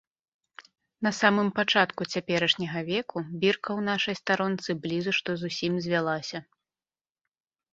На самым пачатку цяперашняга веку бірка ў нашай старонцы блізу што зусім звялася.